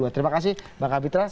terima kasih bangka pitra